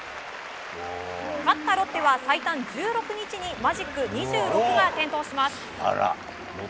勝ったロッテは最短１６日にマジック２６が点灯します。